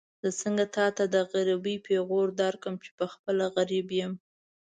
زه څنګه تاته د غريبۍ پېغور درکړم چې پخپله غريب يم.